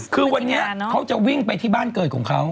คือวันนี้เขาจะวิ่งไปที่บ้านเกิดของเขา